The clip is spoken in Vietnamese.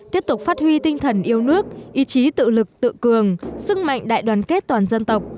tiếp tục phát huy tinh thần yêu nước ý chí tự lực tự cường sức mạnh đại đoàn kết toàn dân tộc